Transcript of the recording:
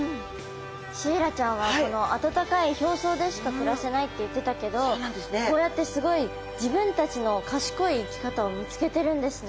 シイラちゃんは温かい表層でしか暮らせないって言ってたけどこうやってすごい自分たちの賢い生き方を見つけてるんですね。